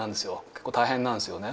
結構大変なんですよね。